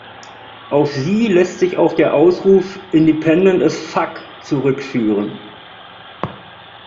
Auf sie lässt sich auch der Ausruf "Independent as fuck" zurückführen.